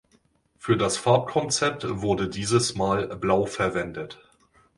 Für das Farbkonzept wurde dieses Mal blau verwendet.